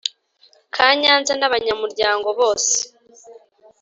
Ka nyanza n abanyamuryango bose